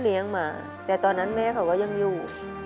มาแต่ตอนนั้นแม่เขาก็ยังอยู่